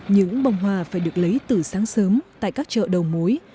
những bông hoa phải được lấy từ sáng sớm tại các chợ đầu mối